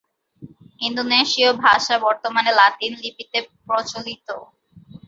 ইন্দোনেশীয় ভাষা বর্তমানে লাতিন লিপিতে প্রচলিত।